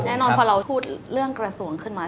แน่นอนพอเราพูดเรื่องกระทรวงขึ้นมา